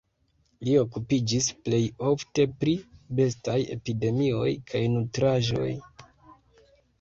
Li okupiĝis plej ofte pri bestaj epidemioj kaj nutraĵoj.